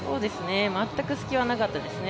全く隙がなかったですね。